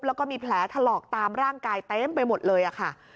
แล้วก็มีแผลถลอกตามร่างกายเต็มไปหมดเลยค่ะ